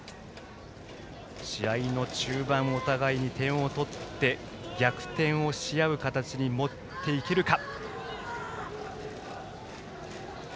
試合の中盤、お互いに点を取って逆転をしあう形に持っていけるか。